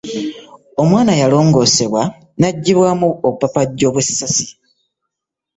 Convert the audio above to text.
Omwana yalogoosebwa naggyibwamu obupapajjo bwessasi.